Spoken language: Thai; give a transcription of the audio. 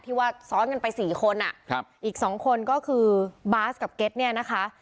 ที่ว่าซ้อนกันไป๔คนอ่ะอีก๒คนก็คือบาสกับเก็ตเนี่ยนะคะ